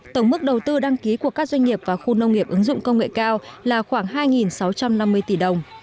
tổng mức đầu tư đăng ký của các doanh nghiệp và khu nông nghiệp ứng dụng công nghệ cao là khoảng hai sáu trăm năm mươi tỷ đồng